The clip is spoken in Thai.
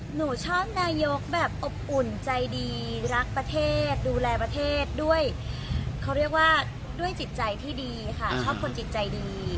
หนูชอบนายกแบบอบอุ่นใจดีรักประเทศดูแลประเทศด้วยเขาเรียกว่าด้วยจิตใจที่ดีค่ะชอบคนจิตใจดี